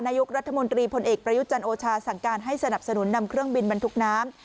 นายกรัฐมนตรีพลเอกประยุจันทร์โอชาสั่งการให้สนับสนุนนำเครื่องบินบรรทุกน้ำ